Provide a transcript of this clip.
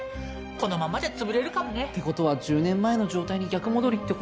このままじゃ潰れるかもね。って事は１０年前の状態に逆戻りって事か。